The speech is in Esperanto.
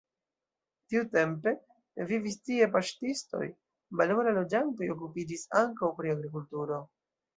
Tiutempe vivis tie paŝtistoj, baldaŭe la loĝantoj okupiĝis ankaŭ pri agrikulturo.